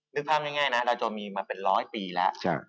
นึกภาพง่ายนะดาวโจรมีมาเป็น๑๐๐ปีแล้ว